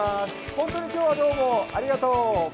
本当に今日はどうもありがとう。